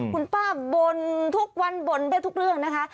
คุณป้าบ่นทุกวันบ่นได้ทุกเรื่องนะคะ